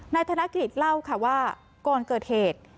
ธนกฤษเล่าค่ะว่าก่อนเกิดเหตุ